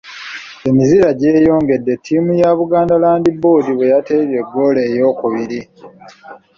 Emizira gyeyongedde ttiimu ya Buganda Land Board bwe yateebye ggoolo eyookubiri.